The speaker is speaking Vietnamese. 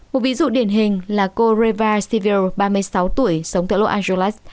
một ví dụ điển hình là cô reva sivir ba mươi sáu tuổi sống tại los angeles